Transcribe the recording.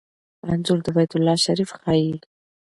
انځور د بیت الله شریف ښيي.